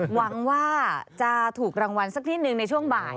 หวังว่าจะถูกรางวัลสักนิดนึงในช่วงบ่าย